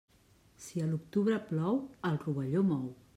Si a l'octubre plou, el rovelló mou.